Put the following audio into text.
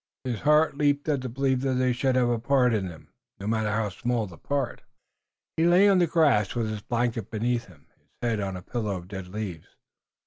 His heart leaped at the belief that he should have a part in them, no matter how small the part. He lay on the grass with his blanket beneath him, his head on a pillow of dead leaves.